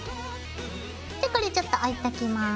じゃこれちょっと置いときます。